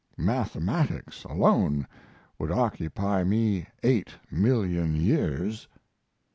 Mathematics alone would occupy me eight million years.